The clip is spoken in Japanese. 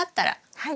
はい。